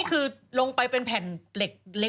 คือลงไปเป็นแผ่นเหล็กเล็ก